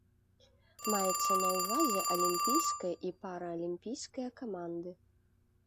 Маецца на ўвазе алімпійская і паралімпійская каманды.